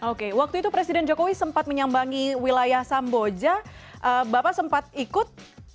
oke waktu itu presiden jokowi sempat menyambangi wilayah samboja bapak sempat ikut